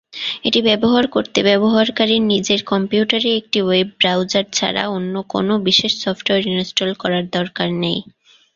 এটি ব্যবহার করতে, ব্যবহারকারীর নিজের কম্পিউটারে একটি ওয়েব ব্রাউজার ছাড়া অন্য কোনও বিশেষ সফ্টওয়্যার ইনস্টল করার দরকার নেই।